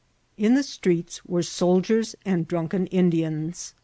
In the streets were soldiers and drunken Indians.